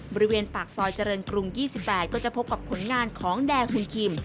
บริเวณปากซอยเจริญกรุง๒๘ก็จะพบกับผลงานของแดร์ฮุนคิม